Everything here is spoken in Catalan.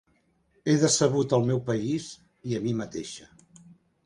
He decebut el meu país i a mi mateixa.